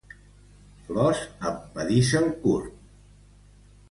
Flors amb pedicel curt.